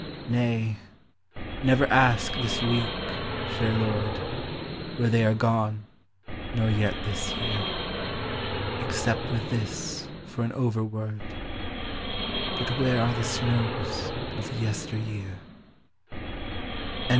Nay, never ask this week, fair lord, Where they are gone, nor yet this year, Except with this for an overword, — But where are the snows of yester year